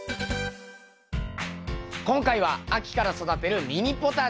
今回は秋から育てるミニポタジェ。